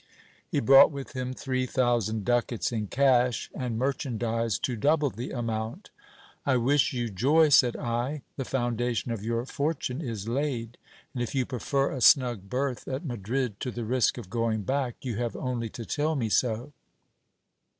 He brought with him three thousand ducats in cash, and merchan dise to double the amount. I wish you joy, said I ; the foundation of your for tune is laid ; and if. you prefer a snug berth at Madrid to the risk of going back, you have only to tell me so.